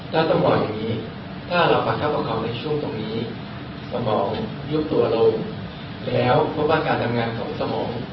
ถ้าต้องบอกอย่างนี้ถ้าเราประคับประคองในช่วงตรงนี้สมองยุบตัวเราแล้วพบว่าการทำงานของสมอง